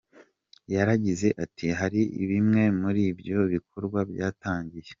Yaragize ati “Hari bimwe muri ibyo bikorwa byatangiye.